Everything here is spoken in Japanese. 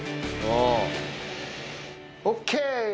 ＯＫ！